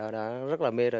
đã rất là nhiều